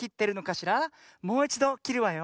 もういちどきるわよ。